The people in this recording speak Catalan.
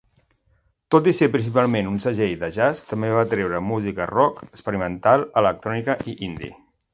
Tot i ser principalment un segell de jazz, també va treure música rock, experimental, electrònica i indie.